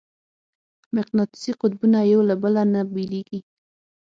مقناطیسي قطبونه یو له بله نه بېلېږي.